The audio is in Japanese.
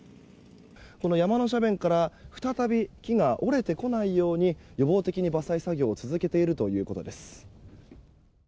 この山の斜面から再び木が折れてこないように予防的に伐採作業を続けているということです。